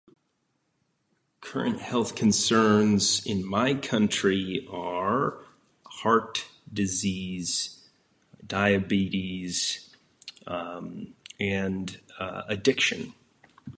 Current health concerns in my country are heart disease, diabetes, em, and, eh, addiction.